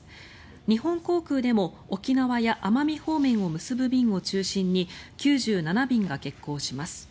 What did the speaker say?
日本航空でも沖縄や奄美方面を結ぶ便を中心に９７便が欠航します。